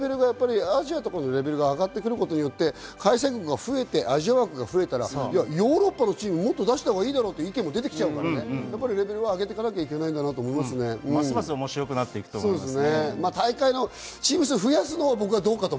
そのレベルが上がってくることによって開催国が増えて、アジア枠が増えたら、ヨーロッパのチームをもっと出したほうがいいだろうという意見も出てきちゃうからね、レベルは上げていかなきゃいけないんじゃないかなと思いますね。